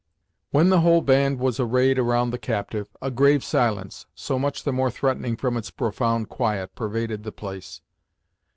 When the whole band was arrayed around the captive, a grave silence, so much the more threatening from its profound quiet, pervaded the place.